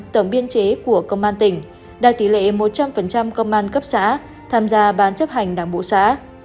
tổng biên chế của công an tỉnh đạt tỷ lệ một trăm linh công an cấp xã tham gia bán chấp hành đảng bộ xã